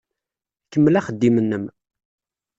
Kemmel axeddim-nnem.